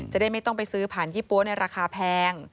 จะได้ไม่ต้องไปซื้อผ่านยี่ปั๊วในราคาแพง